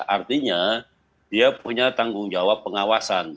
artinya dia punya tanggung jawab pengawasan